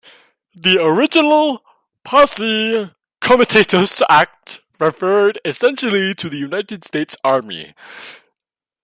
The original Posse Comitatus Act referred essentially to the United States Army.